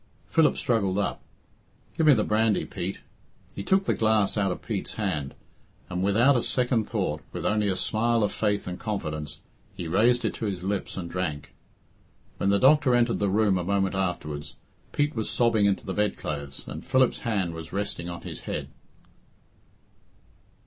Philip struggled up. "Give me the brandy, Pete." He took the glass out of Pete's hand, and without a second thought, with only a smile of faith and confidence, he raised it to his lips and drank. When the doctor entered the room a moment afterwards, Pete was sobbing into the bed clothes, and Philip's hand was resting on his head.